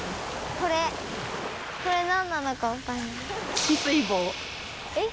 これ何なのかわかんない。